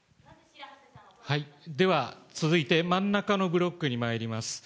では続いて、真ん中のブロックにまいります。